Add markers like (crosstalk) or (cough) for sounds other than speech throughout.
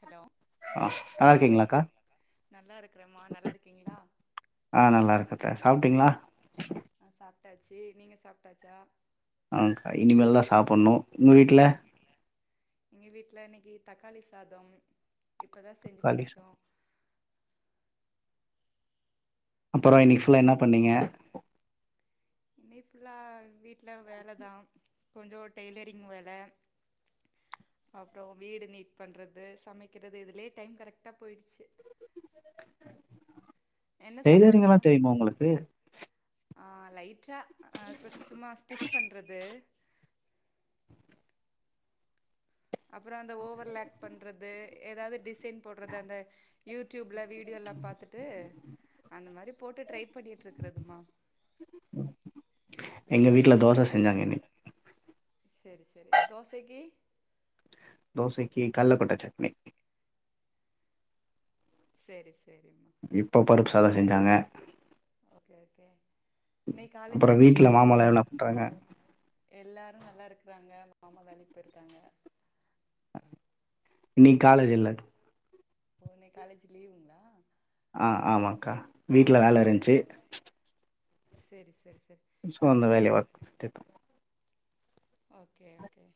Hello ஆஹ் நல்லா இருக்கீங்களா கா நல்லா இருக்கிறேம்மா நல்லா இருக்கீங்களா ஆஹ் நல்லா இருக்கக்கா சாப்பிட்டிங்களா ட்டாச்சு நீங்க சாப்ட்டாச்சா ஆஹ் கா இனிமேல் தா சாப்புட்ணு உங்க வீட்ல எங்க வீட்ல இன்னைக்கி தக்காளி சாதம் இப்பதா செஞ்சு காலை சா முடிச்சோ அப்பற உங்க இன்னைக்கு வீட்டு ஃபுல்லா என்ன பண்ணீங்க இன்னைக்கு ஃபுல்லா வீட்ல வேலதா கொஞ்சோ டெய்லரிங் வேல அப்றோ வீடு நீட் பண்றது சமைக்கிறது இதுலே டைம் கரெக்டா போயிடுச்சு என்ன டெய்லரீங்கலா தெரியுமா ஒங்களுக்கு ஆஹ் லைட் டா ஆஹ் கொஞ் சும்மா ஸ்டிச் பண்றது அப்றோ அந்த ஓவர் லாக் பண்றது எதாவ்து டிசைன் போட்றது அந்த யூட் ட்யூப்ல வீடியோல்லா பாத்துட்டு அந்த மாரி போட்டு ட்ரை பண்ணிட்ருக்கிறதுமா எங்க வீட்ல தோச செஞ்சாங்க இன்னைக்கு. சேரி சேரி தோசக்கி தோசக்கி கல்ல போட்ட சட்னி சேரி சே இப்ப பருப்பு சாத செஞ்சாங்க ஓகே ஓகே இன்னைக்கு காலேஜ் அப்பற எப்டி வீட்ல போச்சு மாமாலா என்ன பண்றாங்க எல்லாரு நல்லா இருக்கிறாங்க மாமா வேலைக்கு போய்ருக்காங்க இன்னைக்கு காலேஜ் இல்ல ஓ இன்னைக் காலேஜ் லீவுங்ளா ஆஹ் ஆமாங்க்கா வீட்ல வேல இருந்ச்சு செரி செரி செரி சோ அந்த வேலய ஒர்க் பண்ணிட்டு ஓகே ஓகே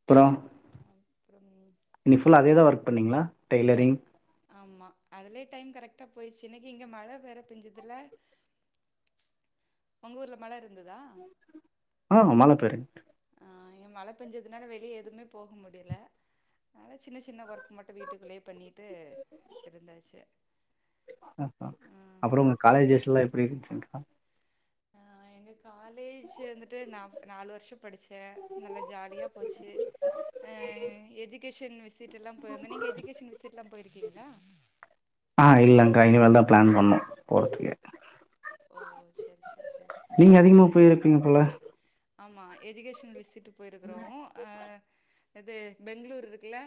அப்றோ அப்புறம் இன்னைக்கு ஃபுல்லா அதேதா ஒர்க் பண்ணீங்ளா டெய்லரிங் ஆமா அதுலே டைம் கரெக்டா போய்ருச்சு இன்னக்கி இங்க மழ வேற பெஞ்சதுல உங்க ஊர்ல மழ இருந்ததா ஆஹ் மழ பேன்ச் ஆ இங்க மழ பெஞ்சதுனால வெளிய எதுக்குமே போக முடியல அதனால சின்ன சின்ன ஒர்க் மட்டு வீட்டுக்குள்ளே பண்ணீட்டு இருந்தாச்சு ஆஹா. ம் அப்புறம் உங்க காலேஜ் டேஸ்லாம் எப்படி இருந்துச்சுங்க்கா? ஆ எங்க காலேஜ் வந்துட்டு நாஃப் நாலு வர்ஷ படிச்சே நல்ல ஜாலியாப் போச்சு அஹ் எஜுகேஷன் விசிடெல்லா போயிருந்தோ நீங்க எஜூகேஷன் விசிட்லா போயிருக்கீங்ளா ஆ இல்லங்க்கா இனிமேல் தா பிளான் பண்ணு போறதுக்கு ஓ செரி செரி செரி நீங்க அதிகமா அ போய் இருப்பீங்க போல ஆமா எஜுகேஷன் விசிட்டு போயிருக்குறோ ஆஹ் அது பெங்ளூரு இருக்குல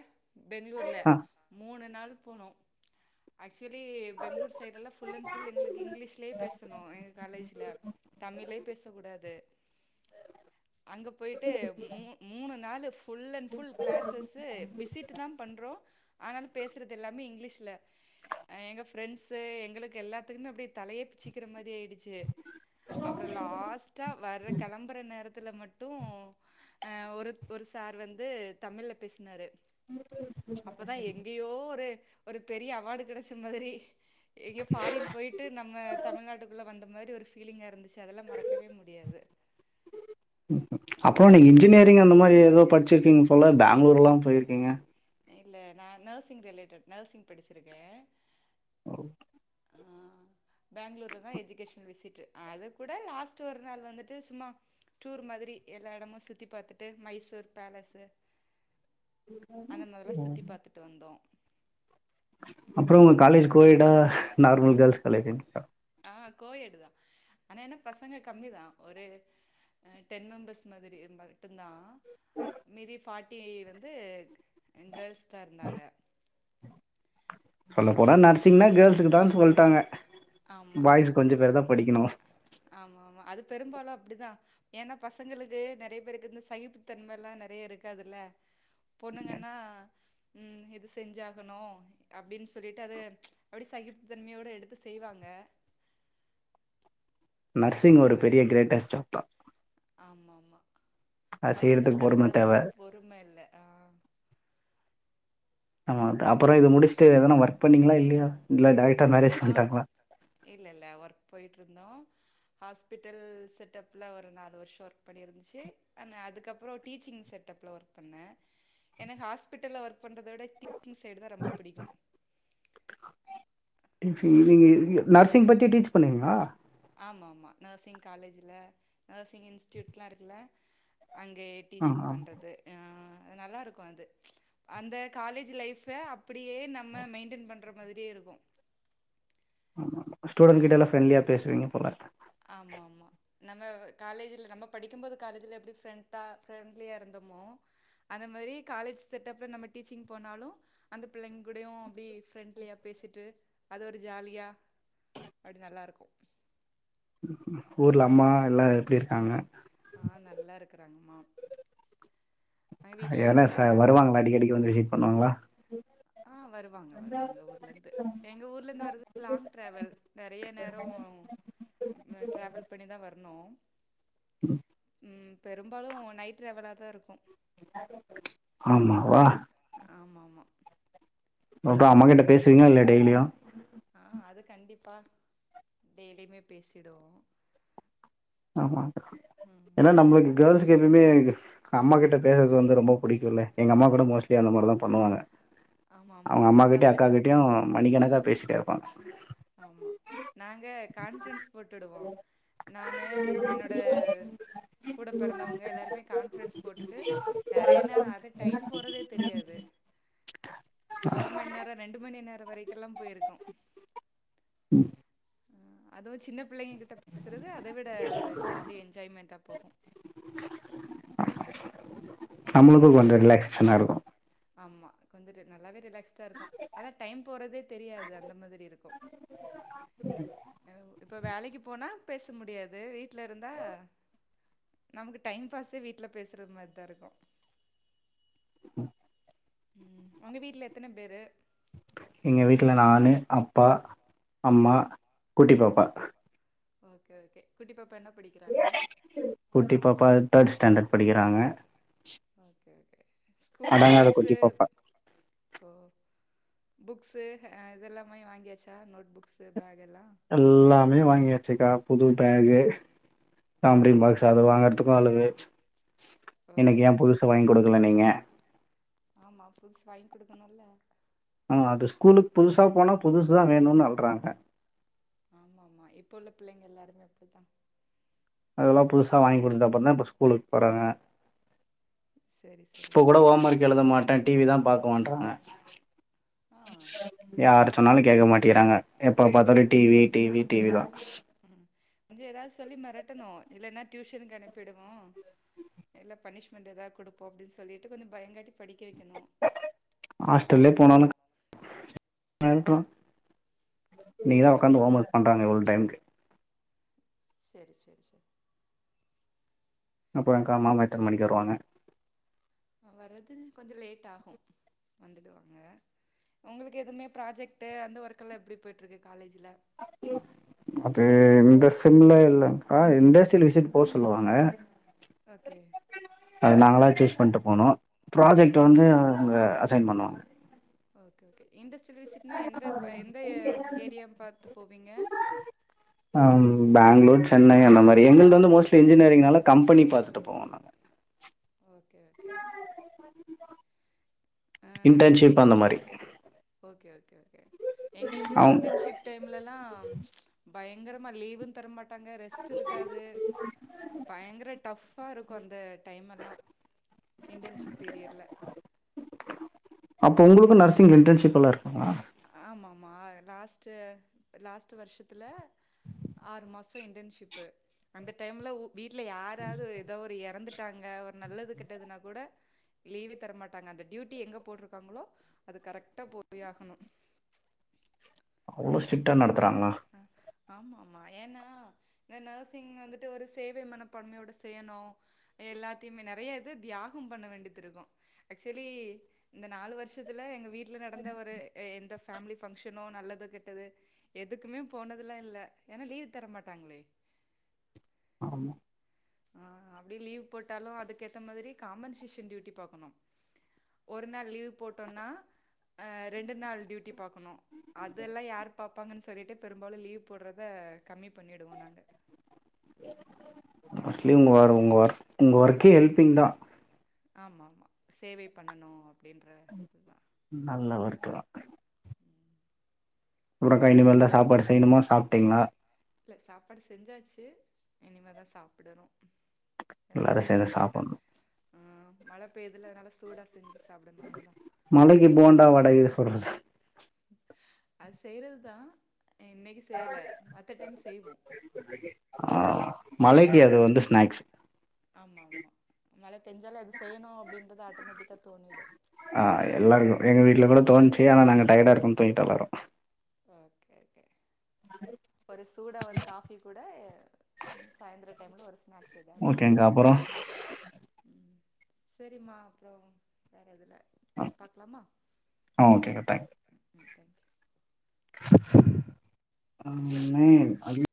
பெங்ளூர்ல ஆ, மூணு நாள் போனோ ஆக் ஆக்சுவலி பெங்களூர் சைடெல்லா ஃபுல் அண்ட் ஃபுல் எங்களுக்கு இங்கிலீஷ்லயே பேசணு எங்க காலேஜ்ல தமிழ்ழயே பேச கூடாது அங்க போயிட்டு மூ மூணு நாளு ஃபுல் அண்ட் ஃபுல் கிளாஸஸ் விசிட்தா பண்றோ ஆனாலு பேசுறதெல்லாமே இங்கிலீஷ்ல அ எங்க பிரண்ட்ஸ் எங்களுக்கு எல்லாத்துக்குமே அப்டியே தலயே பிச்சிக்கிற மாதிரி ஆயிடுச் ச்சு அப்றோ லாஸ்டா வர்ற கெளம் நேரத்துல மட்டு அ ஒரு ஒரு சார் வந்து தமிழ்ல பேசுனாரு அப்பதா எங்கயோ ஒரு ஒரு பெரிய அவார்டு கெடச்ச மாதிரி எங்கேயோ ஃபாரின் போயிட்டு நம்ம தமிழ்நாட்டுக்குள்ள வந்த ந்த மாரி ஒரு ஃபீலிங்கா இருந்துச்சி அதெல்லா மறக்கவே முடியாது அப்ப நீங்க இன்ஜினியரிங் அந்த மாரி ஏதோ படிச்சிருக்கீங்க போல பேங்களூர் எல்லா போயிருக்கீங்க இல்ல நா நர்சிங் ரிலேட்டேட் நர்சிங் படிச்சிருக்கே ஓ ஆ பேங்களூர்லதா எஜுகேஷனல் விசிட்டு் அது கூட லாஸ்ட் ஒரு நாள் வந்துட்டு சும்மா டூர் மாதிரி எல்லா எடமு சுத்தி பாத்துட்டு மைசூர் பேலஸு ம் அந்த மாதிரில்லா சுத்தி பாத்துட்டு வந்தோ அப்றோ உங் காலேஜ் கோயெட்டா நார்மல் கல் (unintelligible) ஆ ஆம் கோயேடு தான் ஆனாயென்ன பசங்க கம்மிதான் ஒரு டென்மேம்பர்ஸ் மாத்ரி ம மட்டுந்தான் மீதி பார்ட்டி வந்து கர்ல்ஸ் தா இருந்தாங்க சொல்லபோனா நர்சிங்னா கேர்ள்ஸ்க்குதான் சொல்ட்டாங்க ஆமா பாய்ஸ்கொஞ்சம்பேருதான் படிக்கணும் ஆமா ஆமா அது பெரும்பாலும் அப்படிதான் ஏன்னா பசங்களுக்கு நறைய பேருக்கு ந்த சகிப்பு தன்மைல்லாம் நறைய இருக்காதுல்ல பொண்ணுங்கன்னா உம் இது செஞ்சாகனோ அப்டின் சொல்லிட்டு அத அப்டி சகிப்பு தன்மையோட எடுத்து செய்வாங்க ஆ நர்சிங் ஒரு பெரிய கிரேட்டஸ்ட் ஜாப்தா ஆமாம்மா பசங்களுக்கு அந்த பொறுமை அளவுக்கு தேவை பொறும இல்ல ஆஹ் ஆமா அப்புறம் இது முடிச்சுட்டு ஏதனா ஒர்க் பண்ணீங்களா இல்லையா இல்ல டய் அ ம் இல்ல இல்ல ஒர்க் போய்ட்டுருந்தோ ஹாஸ்பிட்டல் செட்டப்ல ஒரு நாலு வர்ஷோ ஒர்க் பண்ணிருந்துச்சு அந் அதுக்கப்றோ டீச்சிங் செட்டப்ல ஒர்க் பண்ண எனக் ஹாஸ்பிட்டல்ல ஒர்க் பண்றத விட டீச்சிங் சைடு தா ரொம்ப பிடிக்கு (unintelligible) நர்சிங் பத்தி டீச் பண்ணுவீங்ளா ஆமாமா நேர்சிங் காலேஜ்ல, நேர்சிங் இன்ஸ்ட்யூட்லா இருக்குல அங்கே டீச்சிங் ஆ பண்றது அ நல்லாருக்கு அது ச்ச் அந்த காலேஜ் லைஃபே அப்புடியே நம்ம மெயின்டென் பண்ற மாதிரியே இருக்கு ஆமா ஸ்டூடண்ட் கிட்டல்லா ஃப்ரெண்ட்லியா பேசுவீங்க போல ஆமாமா நம்ம காலேஜ்ல நம்ம படிக்கும் போது காலேஜ்ல எப்டி ஃப்ரெண்டா ஃப்ரெண்ட்லியாருந்தோமோ அந்த மாரி காலேஜ் செட்டப்ல நம்ம டீச்சிங் போனாலு அந்த பிள்ளைங் கூடயு அப்டி ஃப்ரெண்ட்லியா பேசிட்டு அது ஒரு ஜாலியா அப்டி நல்லாருக்கு ஊர்ல அம்மா யெல்லா எப்டி ருக்காங்க அ நல்லாருக்கறாங்க மாம் எல்லாரும் எதனா நல்லா ச இருக்காங்களா வருவாங்ளா அடிக்கடிக்கு வந்து விசிட் பண்ணுவாங்களா அ வருவாங்க வருவாங்க ஊர்லந்து எங்க ஊர்லேந்து வரது லாங் ட்ரவல். நெறைய நேரோ ம் ட்ரவல் பண்ணிதா வர்ணு ம் பெரும்பாலு நைட் ட்ரவலா தா ருக்கு ஆமாவா ஆமா ஆமா உங்க அம்மா கிட்ட பேசுவீங்ளா இல்ல டெய்லியு அது கண்டிப்பா டெய்லியுமே பேசிடுவோ ஆமா ம் ஏனா நம்ளுக்கு கேள்ஸ்க்கு எப்யுமே அம்மா கிட்ட பேசுறது வந்து ரொம்ப புடிக்குல்ல எங்க அம்மா கூட மோஸ்ட் லி அந்த மாரிதான் பண்ணுவாங்க ஆமா ஆமா அவங்க நாங்க அம்மாக்கிட்டயும் அக்கா அப்டிதா கிட்டயும் மணிக்கணக்கா பேசிட்டே இருப்பாங்க ஆமா நாங்க கான்பிரன்ஸ் போட்டுடுவோம் நா நானு, என்னோட கூடபிறந்தவங்க எல்லாருமே கான்பரன்ஸ் போட்டுட்டு நெறய நேரம் அது டைம் போறதே தெரியாது. ஒரு மண்நேரம் ரெண்டுமணி நேரம் வரைக்கெல்லாம் போயிருக்கோம் உம் அதும் சின்னப் பிள்ளைங்க கிட்ட பேசுறது அத விட ஒரு ஜாலி என்ஜாய்மெண்டா போகும் நம்மளுக்கும் கொஞ்சம் ரிலாக்சஷனா இருக்கும் கொஞ்சம் ரி நல்லாவே ரிலாக்ஸ் சா இருக்கும். அதான் டைம் போறதே தெரியாது. அந்த மாதிறி இருக்கும் இப்ப வேலைக்கு போனா பேச முடியாது வீ ட்ல இருந்தா நமக்கு டைம் பாஸே வீட்ல பேசறது மாரிதான் இருக்கும் உங்க வீட்ல எத்தன பேரு? எங்க வீட்ல நானு அப்பா அம்மா குட்டி பாப்பா ஓகே ஓகே குட்டிப்பாப்பா என்னப் குட்டி பாப்பா தேர்ட் ஸ்டாண்டர்ட் படிக்கிறாங்க ஓகே ஓகே ஸ்கூலுக்கு அடங்காத குட்டி புக்ஸு பாப்பா ஓ புக்ஸு அ இதெல்லாமே வாங்கியாச்சா நோட் புக்ஸூ பேக் எல்லா எல்லாமே வாங்கி வெச்சுக்கா புது பேகு ஜாமன்ட்ரி ஓகே பாக்ஸ். அது வாங்கறதுக்கும் அழுக ஓ எனக்கு ஏன் புதுசா வாங்கி குடுக்கல நீங்க? ஆமா புதுசு வாங்கி கொடுக்கணுமில்ல ஆஹ் அது ஸ்கூலுக்கு புதுசா போனா புதுசுதா வேணும்னு அழ்றாங்க. ஆமா ஆமா இப்ப உள்ள பிள்ளைங்க எல்லாருமே அப்டிதா அதெல்லாம் புதுசா வாங்கி குடுத்தப்பறந்தா இப்ப ஸ்கூலுக்கு போறாங்க சரி சரி இப்ப கூட ஹோம்ஒஅக் எழுத மாட்டே டிவி தா பா பண்றாங்க ஆ யார் சொன்னாலும் கேக்க மாட்டிங்கறாங்க. எப்ப பாத்தாலும் T V T V T விதா இல்லைன்னா டியூஷனுக்கு அனுப்பிடுவோம் இல்ல பனிஷ்மெண்ட் எதா குடுப்போம் அப்படின்னு சொல்லிட்டு கொஞ்சம் பயங்காட்டி படிக்க வைக்கணும் மேன்றம் ஆ இன்னிக்கு தா உக்காந்து ஹோம் ஒர்க் பண்றங்க டைம்கு சரி சரி சரி அப்புறங்க்கா மாமா எத்தன மணிக்கு வருவாங்க வர்றது கொஞ்சம் லேட் ஆகும் வந்துடுவாங்க. உங்களுக்கு எதுவுமே ப்ராஜெக்ட்டு அந்த ஒர்க் எல்லாம் எப்டி போயட்டு இருக்கு காலேஜ்ல? அது இந்த சிம்ல இல்லங்க்கா. இன்டஸ்ட்ரியல் விசிட் போ சொல்லுவாங்க ஓகே அது நாங்களா சூஸ் பண்ட்டு போனோம் ப்ராஜெக்ட் எந்த வந்து அ அவுங்க (unintelligible) பண்ணுவாங்க ஓகே ஓகே இண்டஸ்ட்ரியல் விசிட்னா எந்த எந்த ஏரியா பாத்து போவீங்க அ பெங்களூர், சென்னை அந்த மாரி எங்களுக்கு வந்து மோஸ்ட்லி இன்ஜினியரிங்னால கம்பெனி பாத்துட்டு போவோம் நாங்க ஓகே ஓகே இன்டன்ஷிப் அந்த மாரி ஓகே ஓகே எங்களுக்கெல்லா அவன் இன்டன்ஷிப் டைம்லல்லா பயங்கரமா லீவு தர மா ட்டாங்க ரெஸ்ட் இருக்காது பயங்கர டஃப் ப்பா இருக்கு அந்த டைம் எல்லா இண்டன்ஷிப் பீரியட்ல அப்போ உங்களுக்கு நர்சி்ங் இன்டன்ஷிப்லாம் இருக்கும்மா ஆமா ஆமா லாஸ்ட் லாஸ்ட் வருஷத்துல ஆறு மாச இன்டனஷிப் அந்த டைம்ல உ வீட்ல யாராது எதா ஒரு எறந்து ட்டாங்க ஒரு நல்லது கெட்டதுனா கூட லீவே தரமாட்டாங்க அந்த டியூட்டி எங்க போட்ருக்காங்களோ அது கரெக்டா போய் ஆகணு அவ்ளோ ஸ்ட்ரிக்டா நடக் க்றாங்ளா ஆமா ஆமா ஏன்னா இந்த நர்சிங் வந்துட்டு ஒரு சேவை மனப்பான்மையோட செய்யனு எ எல்லாத்தைமே நெறையா இது தியாகம் பண்ண வேண்டிதிருக்கு இருக்கு ஆக்சுவலி இந்த நாலு வர்ஷத்துல எங்க வீட் ல நடந்த ஒரு எ எந்தஃப் ஃபேம்லி பங்க்ஷனோ நல்லது கெட்டது எத் துக்குமே போனதுலா இல்ல ஏனா லீவு தர மாட்டாங்களே ஆமா ஆஹ் அப்டி லீவ் போட்டாலு அதுக்கேத்த மாதிரி காம்பன்சேஷன் டியூட்டி பாக்கணு ஒரு நாள் லீவ் போட்டோனா அஹ் ரெண்டு நாள் டியூட்டி பாக்கணு அதெல்லா யாரு பாப் ப்பாங்கன் சொல்லிட்டு பெரும்பாலு லீவ் போட்றத கம்மி பண்ணிடுவோ நாங்க மோஸ்ட்லி உங்க வேல உங்க வேல உங்க ஒர்க்கே ஹெல்பிங் தா ஆமாம்மா சேவை பண்ணணு அப் நல்லா வருக்கலா ம் அப்றக்கா இனிமேல் தா சாப்பாடு செய்ணுமா சாப்ட்டீங்ளா இல்ல சாப்பாடு செஞ்சாச்சு இனிமே தா சாப்டணு எல்லாரு சேந்து சாப்டணு ஆஹ் மழ பெய்துல அதுனால சூடா செ மழைக்கு போண்டா வடயு சுடுங்க அது செய்றதுதா இன்னைக்கு செய்ல மத்த டைம் செய்வோ மழைக்கி அது வந்து ஸ்நாக்ஸ் ஆமா ஆமா மழ பெஞ்சாலே அது செய்யணு அப்டின்றது ஆட்டமேட்டிக்கா தோணிடு ஆஹ் எல்லாருக்கு எங்க வீட்ல கூட தோணுச்சு ஆனா நாங்க டயர்டா இருக்கன் துங்கிட்டோ எல்லாரு ஓகே ஓகே ஒரு சூட ஒரு காஃபி கூட ம் சாய்ந்தர டைம்ல ஒரு ஸ்நாக் ஸ் எதாவ்து வந்து ஓகேங்க சாப்டனு அப்புறம் சேரிமா அப்றோ வேற எது இல்ல ஆஹ் ஆஹ் ஓகேக்கா தேங்க் ம் ம் தேங்க்யூ அம்மி (unintelligible)